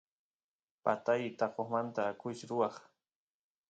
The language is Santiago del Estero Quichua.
patay taqomanta akush ruwaq